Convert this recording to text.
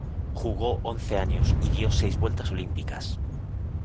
Jugó once años y dio seis vueltas olímpicas.